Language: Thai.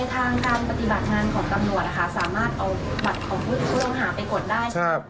ทางการปฏิบัติงานของตำรวจนะคะสามารถเอาบัตรของผู้ต้องหาไปกดได้